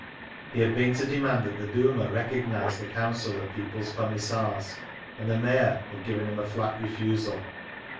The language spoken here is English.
He had been to demand that the Duma recognise the Council of peoples' Commissars, and the Mayor had given him a flat refusal.